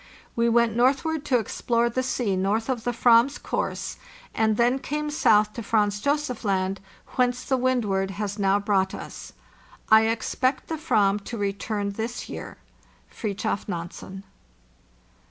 We went northward to explore the sea north of the /vam's course, and then came south to Franz Josef Land, whence the Wzzdward has now brought us. "T expect the /vam to return this year. " FRIDTJOF NANSEN."